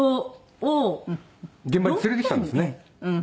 現場に連れてきたんですね。